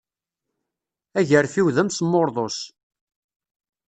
Agarfiw d amesmurḍus.